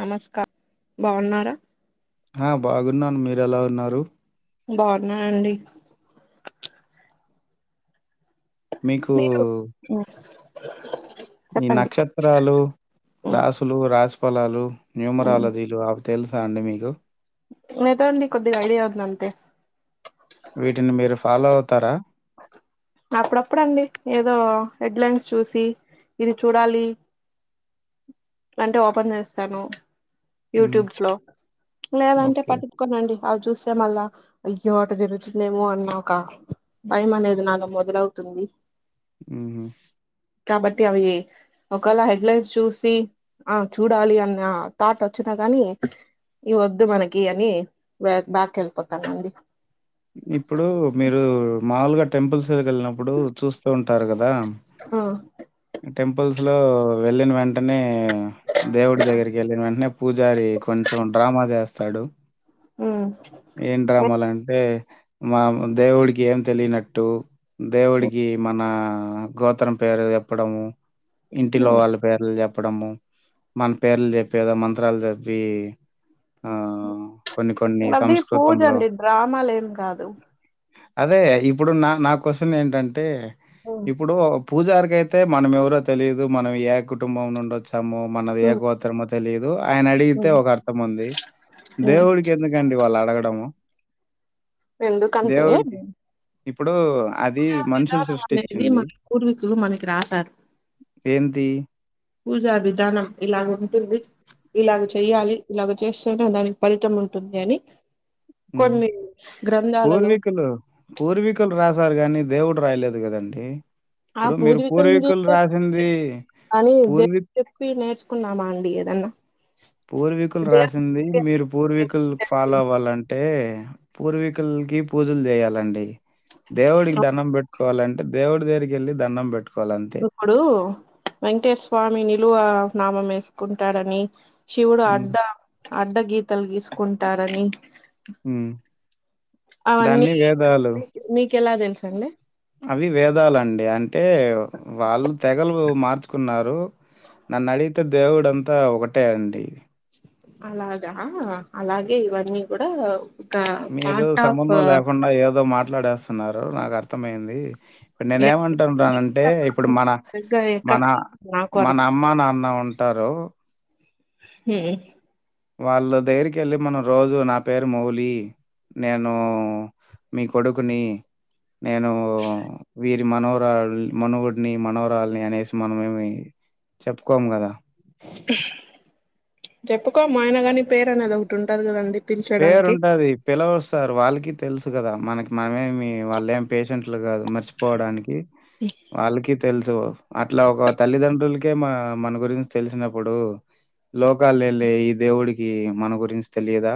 నమస్క బాగున్నారా ఆ బాగున్నాను మీర ఎలా ఉన్నారు బాగున్నాండి మీకు అ ఈ నక్షత్రాలు ఉమ్, రాసులు రాసి ఫలాలు ఉమ్. న్యూమరాలజీలు ఆ తెలుసా అండి మీకు లేదు అండి కొద్దిగా ఐడియా ఉంది అంతే వీటిని మీరు ఫాలో అవుతారా అప్పుడప్పుడు అండి ఏదో హెడ్లైన్స్ చూసి ఇది చూడాలి అంటే ఓపెన్ చేస్తాను హ్మ్. యూట్యూబ్స్ లో లేదంటే ఓకే. పట్టుపుకనండి అవి చూస్తే మళ్ళా ఇయ్య ఆట దరుగుతుందేమో అన్న ఒక భయం అనేది నాలో మొదలవుతుంది ఉహు కాబట్టి అవి ఒకవేళ హెడ్లైన్స్ చూసి ఆ చూడాలి అన్న థాట్ వచ్చినా కాని ఇ వద్దు మనకి అని బే బ్యాకి వెళ్ళిపోతానుండి ఇప్పుడు మీరు మాములుగా టెంపుల్స్క వెళ్ళినప్పుడు చూస్తూ ఉంటారు కదా ఆ టెంపుల్స్ లో వెళ్ళిన వెంటనే దేవుడి దగ్గరికి వెళ్ళిన వెంటనే పూజారి కొంచెం డ్రామా చేస్తాడు ఉమ్ ఏం డ్రామాలంటే అంటే మా దేవుడికి ఏం తెలియనట్టు దేవుడికి మన గో గోత్రం పేరు చెప్పడము ఇంటిలో వాళ్ళ పేర్లు చె ప్పడము మన పేర్లు చెప్పేదో మంత్రాలు చెప్పి ఆ కొన్ని కొన్ని అది పూజ సంస్కృతంలో అండి డ్రామాలేం కాదు అదే ఇప్పుడు నా నా క్వశ్చన్ ఏంటంటే హ్మ్ ఇప్పుడు పూజారికి అయితే అయితే మనం ఎవరో తెలిలీదు మనం ఏ కుటుంబం నుంచి వచ్చామో మనది హ్మ్ ఏగోత్రరమో తెలియదు ఆయన అడిగితే హ్మ్ ఒక అర్థం ఉంది హ్మ్ దేవుడికి ఎందుకండి వాళ్ళు అడగడము ఎందుకంటే దేవుడికి ఇప్పుడు అది పూజ మనుషులు విధానం అనేది సృష్టిచ్చింది. మన పూర్వీకులు మనకి రాశారు ది పూజా విధానం ఇలా ఉంటుంది ఇలాగ చెయ్యాలి ఇలాగ చేస్తనే దానికి ఫలితం ఉంటుంది అని కొన్ని గ్రంథాలలో పూర్వీకులు పూర్వీకులు రాశారు కానీ దేవుడు రయలేదు కదండి ఆ ఇప్పుడు మీరు పూర్వీకులను పూర్వీకులు చూస్తే రాసింది అని పూర్వీ చెప్పి నేర్చుకున్నామా అండి ఏదన్నా పూర్వీకులు దేవుడు రాసింది మీరు పూర్వీకులు ఫాలో అవ్వాలంటే టే పూర్వీకుల్కి పూజలు చేయాలండి దేవుడికి ధనం పెట్ కోవాలంటే దేవుడి దగరికి ఎళ్ళి దండం పెట్ ఇప్పుడు వెంకటేస్వామి నిలువ నామం వేసుకుంటాడని శివుడు హ్మ్. అడ్డ అడ్డ గీతలు గీసుకుంటారని హ్మ్ అవన్నీ దాన్ని వేదాలు మీ మీకెలా తెలుసండి అవి వేదాలండి అ టే వాళ్ళు తెగలు మార్చుకున్నారు నన్ను అడి తే దేవుడుంతా ఒకటే అండి అలాగా అలాగే ఇవన్నీ కూడా మీరు పార్ట్ ఆఫ్ సంబంధం లేకుండా ఏదో మాట్లాడేస్తున్నారు నాకు అర్థమయింది నేనే ఏమంటున్నానంటే ఇప్పుడు మన సరిగ్గా ఎక్కడ మన నాకు మన అర్థం అమ్మ నాన్న ఉంటారు హ్మ్ వాళ్ళ దగ్గరకి ఎళ్ళి మనం రోజు నా పేరు మౌళి నేను మీ కొడుకుని నేను వీరి మనవరాల్ మనువుడిని మనవరాలిని అనేసి మనమేమి చెప్పుకోం కదా చెప్పుకోము ఆయన కాని పేరు అనేది ఒకటి ఉంటాది కదండి పిలిచడానికి పేరుంటది పిలవస్ సార్ వాళ్ళకి తెలుసు కదా మనకి మనమేమి వాళ్ళ ఏం పేషెంట్లు కాదు మరి పోడానికి వాళ్ళకి తెలుసు అట్లా ఒక తల్లిదండ్రుల్కి కేమ మన గురించి తెలిసినప్పుడు లోకాల్ ఎళ్ళే ఈ దేవుడికి మన గురించి తెలియదా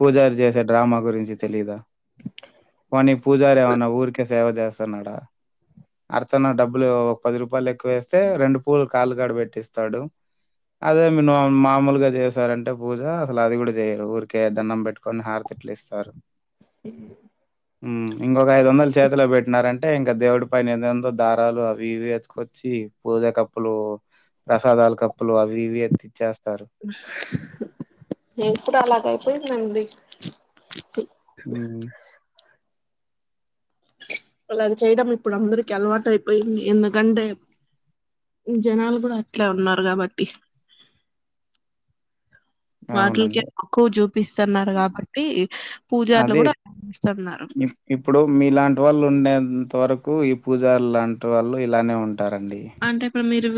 పూజారి చేసే డ్రామా గురించి తెలీదా పోనీ పూజారి ఏమన్నా ఊరికే సేవ చేస్తన్నాడా అర్చన డబ్బులు ఒక పది రూపాయలు ఎక్కువ ఎస్తే రెండు పూల్ కాలుగాడ పెట్టిస్తాడు అదే మీరు మామూలుగా చేశారంటే పూజ అసలు అది కూడా చేయరు ఊర్ కే దణ్ణం పెట్టుకొని హారతి ఇట్ల ఇస్తారు ఎళ్ళు ఇంకొక ఐదు వందలు చేతిలో పెట్టినారంటే ఇంకా దేవుడి పైన ఎదెందో దారాలు అవి ఇది ఎత్తుకొచ్చి పూజ కప్పులు ప్రసాదాలు కప్పులు అవి ఇవి ఎత్తిచ్చేస్తారు. ఇప్పుడు అలాగయిపోయిదండి హ్మ్ అలా చేయడం ఇప్పుడు అందరికిీ అలవాట అయిపోయింది ఎందుకంటే జనాలు కూడా అట్లే ఉన్నారు కాబట్టి అవునండి. వాటిల్కేఎక్కువ చూపిస్తున్నారు కాబట్టి పూజార్లు అదే కూడా ఇస్తన్నారు ఇప్పుడు మీలాంటి వాళ్ళు ఉండేంత వరకు కు ఈ పూజర్లాంటి వాళ్ళు ఇలానే ఉంటారండి అంటే ఇప్పుడు మీరు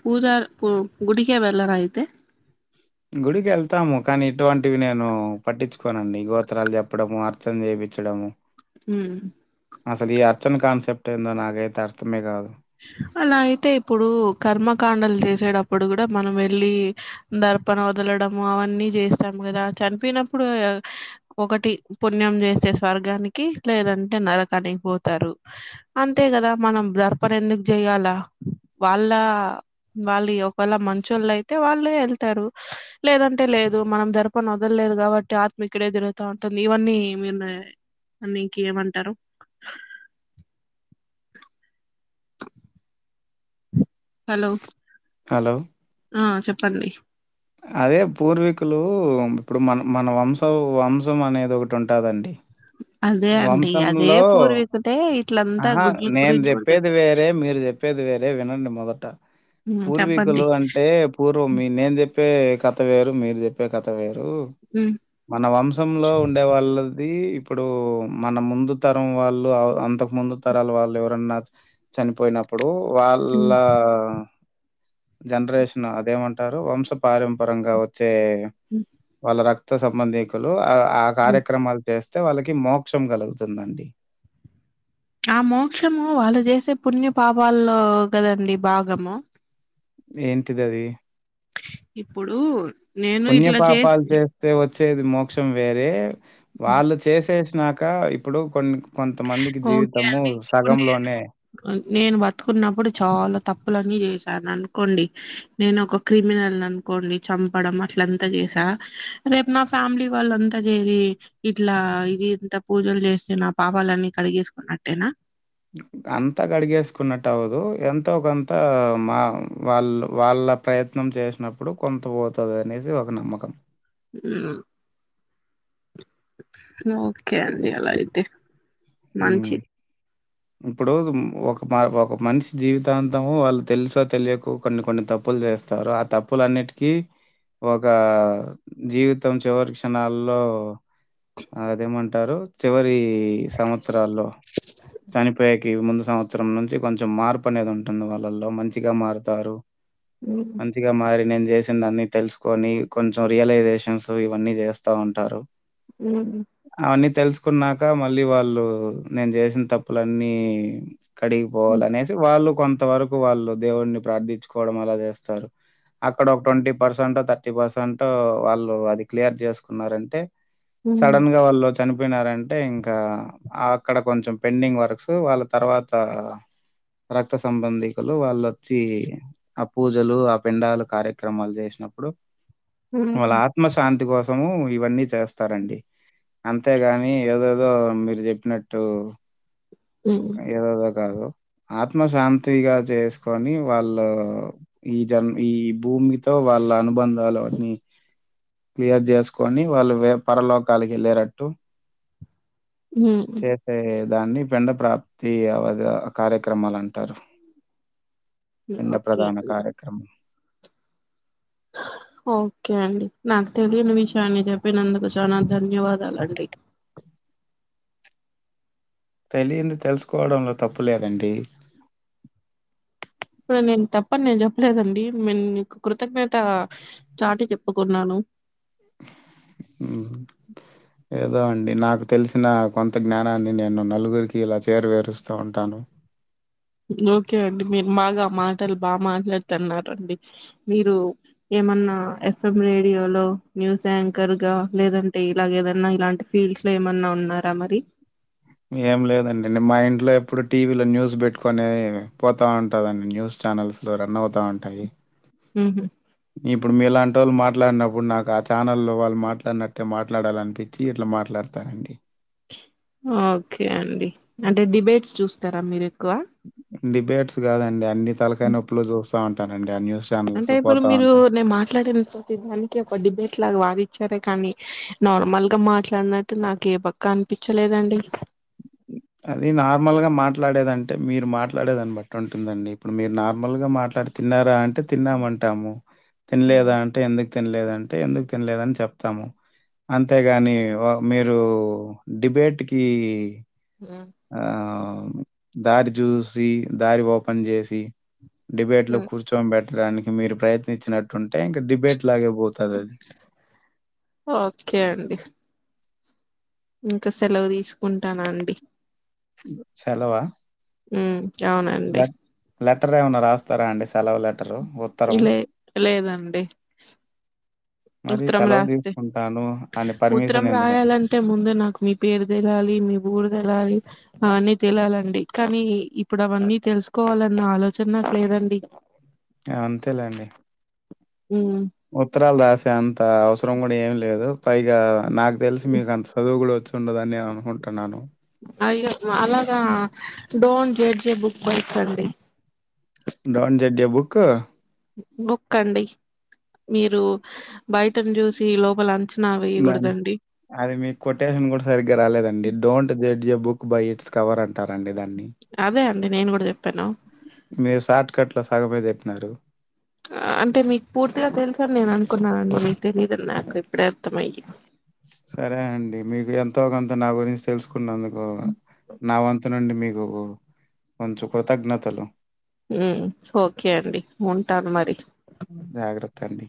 పూజ గుడికే వెళ్ళర అయితే గుడికి ఎళ్తాము కానీ ఇటువంటివి నేను పట్టించుకోనండి గోత్రాలు చెప్పడము అర్చన చేయ పించడము ఉమ్ అసలు ఈ అర్చన కాన్సెప్ట్ ఏందో నాకైతే అర్థమే కాదు అలా అయితే ఇప్పుడు కర్మకాండలు చేసేటప్పుడు కూడా మనం వెళ్ళి దర్ ర్పన వదలడము అవన్నీ చేస్తాము కదా చనిపోయినప్పుడు ఒకటి పుణ్యం చేస్ స్వర్గానికి లేదంటే నరకానికి పోతారు అంతే కదా మనం దర్ ప్పర్ ఎందుకు చెయ్యల వాళ్ళ వాళ్ళు ఒకేళ మంచిలైతే వాళ్ళే వెళ్తారు లేదంటే లేదు మనం జరపనోదల్ లేదు కాబట్టి ఆత్మ ఇక్కడే దిరుగుత ఉంటుంది ఇవన్నీ మీరు మీకేమంటారు హలో హలో ఆ చెప్పండి అదే పూర్వీకులు ఇప్పుడు మన మన వంశం వంశం అనేది ఒకటి ఉంటదండి అదే అండి. అదే వంశంలో పూర్వీకుడే ఇట్లంతా ఆహా గుడ్ల నేను గురించి గూడా చెప్పేది చెప్పారు. వేరే మీరు చెప్పేది వేరే వినండి మొదట హ్మ్. చెప్పండి. పూర్వీకులు అంటే పూర్వ మీ నేను చెే ప్పే కథ వేరు మీరు చెప్పే కథ వేరు హ్మ్. మన వంశంలో ఉండే వాళ్ళ అది ఇప్పుడు మన ముందు తరం వాళ్ళు అంతకు ముందు తరాల వాళ్ళు ఎవరన్నా చనిపోయినప్ ప్పుడు వాళ్ళ హ్మ్. జనరేషన్ అదేమంటారు వంశ పారంపరంగా వచ్ తే హ్మ్. వాళ్ళ రక్త సంబంధికులు ఆ హ్మ్. కార్యక్రమాలు చేస్ స్తె వాళ్ళకి మోక్షం కలుగుతుందండి ఆ మోక్షము వాళ్ళు చేసే పుణ్య పాపల్లో కదండి భాగము ఏంటివవి ఇప్పుడు నేను ఇట్లా చేస్ పుణ్యపాపాలు చేస్తే వచ్చేది మోక్షం వేరే వాళ్ళు చేసేసినాక ఇప్పుడు కొన్ని కొంత మందికి ఓకే జీవితము అండి. ఇప్పుడు నేను సగంలోనే నేను బతుకున్నప్పుడు చాలా తప్పులన్నీ చేస్ ననుకోండి నేను ఒక క్రిమినల్ అనుకోండి చంపడం అట్లంతా చేసా రేపు నా ఫ్యామిలీ వాళ్ళంతా చేరి ఇట్లా ఇది ఇంత పూజలు చేస్తే నా పాపాలన్నీ కడిగేసుకున్నట్టేనా అంత గడిగేసుకున్నట్టవ్వదు ఎంతో కొంత మా వాళ్లు వాళ్ అలా ప్రయత్నం చేశినప్పుడు కొంత పోతదనేది ఒక నమ్మకం మ్ ఓకే అండి అలా అయితే హ్మ్. మంచిది ఇప్పుడు ఒక మ ఒక మనిషి జీవితాంతము వాళ్ళు తెలుసో తెలియకో కొన్ని కొన్ని తప్పులు చేస్తారు ఆ తప్పులన్నిటికీ ఒక జీవితం చివరి క్షణాల్లో అదేమంటారు చివరి సంవత్సరాల్లో పేకి ముందు సంవత్సరం నుంచి కొంచెం మార్పు అనేది ఉంటుంది వాళ్ళల్లో మంచిగా మారుతారు హ్మ్ మంచిగా మారి నేను జేసిన దాన్ని తెలుసుకొని కొంచెం రియలైజేషన్స్ ఇవన్నీ చేస్తా ఉంటారు మ్ అవన్నీ తెలుసుకున్నాక మళ్ళీ వాళ్ళు నేను చేసిన తప్పులన్నీ కడిగిపోవాలనేసి వాళ్ళు కొంత వరకు వాళ్ళు దేవున్ని ప్రార్థించుకోవడం అలా చేస్తారు అక్కడ ఒక ట్వంటీ పర్సెంట్ థర్టీ పర్సెంటో వాళ్ళు అది క్లియర్ చేసుకున్నారంటే హ్మ్ సడన్ గ వాళ్ళు చనిపోయినారంటే ఇంకా అక్కడ కొంచెం పెండింగ్ వర్క్స్ వాళ్ళ తర్వాత రక్త సంబంధికులు వాళ్ళోచ్చి ఆ పూజలు ఆ పిండాలు కార్యక్రమాలు చేస్ ప్పుడు హ్మ్ వాళ్ళ ఆత్మశాంతి కోసము ఇవన్నీ చేస్తారండి అంతేగాని ఏదోదో మీరు చెప్పినట్టు హ్మ్ ఏదోదో కాదు ఆత్మశాంతిగా చేసుకొని వాళ్ళు ఈ జన్ ఈ భూ భూమితో వాళ్ళ అనుబంధాలు అన్నీ క్లియర్ జేసుకొని వాళ్ళు వే పరలోకాలకి ఎల్లేరట్టు హ్మ్ చేసేదాన్ని పిండ ప్రాప్తి అవదు కార్యక్రమాలం టారు పిండ ఓకే ప్రధాన అండి. కార్యక్రమం ఓకే అండి నాక్ తెలియని విషయాన్ని జేప్పినందుకు చాలా ధన్యవాదాలండి తెలియంది తెలుసుకోవడంలో తప్పు లేదండి ఇప్పుడు నేను తప్ప నేను చెప్పలేదండి మే నేను కృతజ్ఞత చాటి చెప్పుకున్నాను ఉ ఏ దో అండి నాకు తెలిసిన కొంత జ్ఞానాన్ని నేను నలుగురికి ఇలా చేరవేరుస్తూ ఉంటాను ఓకే అండి మీరు మాగా మాటలు బా మాట్లాడుతన్నారండి మీరు ఏ ఏమన్నా ఎఫ్ఎం రేడియో లో న్యూస్ యాంకర్ గా లేదంటే ఇలాగేదన్నా ఇలాంటి ఫీల్డ్స్ లే ఏమన్నా ఉన్నారా మరి ఏం లేదండి నె మా ఇంట్లో ఎప్పుడు టీవీలో న్యూస్ పెట్టుకొనె పోతా ఉంటదండి న్యూస్ ఛానల్స్లో రన్ అవుతా ఉంటయి ఉహు ఇప్పుడు మీలాంటోళ్ళు మాట్లాడినప్పుడు నాకు ఆ ఛానల్లో వాళ్ళు మాట్లాడినట్టే మాట్లాడాలనిపించి ఇట్ల మాట్లాడతానండి ఓకే అండి అంటే దిబేట్స్ చూస్తారా మీరు ఎక్కువ డిబేట్స్ కాదండి అన్ని తలకాయి నొప్పులు చూస్తా ఉంటానడి ఆ న్యూస్ అంటే ఛానల్స్లో ఇప్పుడు పోతా మీరు ఉంటాను. నేను మాట్లాడిన ప్రతి దానికి ఒక డిబేట్ లాగా వాదిచ్చారే కానీ నార్మల్ గా మాట్లాడినతే నాకే పక్క అనిపించలేదండి అది నార్మల్ గా మాట్లాడేదంటే మీరు మాట్లాడేదాని బట్టి ఉంటుందండి ఇప్పుడు మీరు నార్మల్ గా మాట్లా తిన్నారా అంటే తిన్నామంటాము తినలేదా అంటే ఎందుకు తినలేదంటే ఎందుకు తినలేదని చెప్తాము అంతేగాని మీరు డిబేట్ కి ఆ దారి చూసి దారి ఓపెన్ చేసి డిబేట్ లో కూర్చోని పెట్టడానికి మీరు ప్రయత్నించినట్టుంటే ఇంకా డిబేట్ లాగే పోతదది. ఓకే అండి ఇంకా సెలవు తీసుకుంటానండి సెలవా ఉ అవునండి లెటర్ ఏమన్నా రాస్తారా అండి సెలవు లెటరు ఉత్తరం లే లేదండి మరి ఉత్తరం సెలవు రాతే తీసుకుంటాను అని ఉత్తరం పర్మిషన్ ఎందుకండి? రాయాలంటే ముందు నాకు మీ పేరు తెలవాలి మీ ఊరు తెలవాలి అ అని తలాలండి కానీ ఇప్పుడు అవన్నీ తెలుసుకోవాలన్న ఆలోచన నాక్ లేదండి అంతేలాండి మ్మ్ ఉత్తరాలు రాసే అంత అవసరం కూడా ఏమి లేదు పైగా నాకు తెలిసి మీకు అంత చదువు కూడా వచ్చిండదు అన్ని నేను అనుకుంటున్నాను అయ్య అలాగా డోన్ జడ్జే బుక్ వైస్ అండి డోంట్ జడ్జే బుక్ బుక్కండి మీరు బయటను చూసి లోపలంత దాని అది మీకు కొటేషన్ కూడా సరిగ్గా రాలేదండి don't judge a book by its cover అంటారండి దాన్ని అదే అండి నేను కూడా చెప్పాను మీరు షార్ట్ కట్ లో సగమే చెప్పినారు అంటే మీకు పూర్తిగా తెలుసనీ నేను అనుకున్నానండి మీకు తెలీదు అని నాకు ఇప్పుడే అర్థమయింది సరే అండి మీకు ఎంతో కొంత నా గురించి తెలుసు కున్నందుకు నా వంతునుండి మీకు కొంచెం కృతజ్ఞతలు మ్మ్ ఓకే అండి ఉంటాను మరి తండి